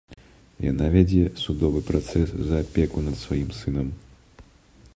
Яна вядзе судовы працэс за апеку над сваім сынам.